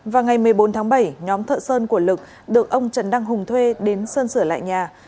vào ngày một mươi bốn tháng bảy nhóm thợ sơn của lực được ông trần đăng hùng thuê đến sơn sửa lại nhà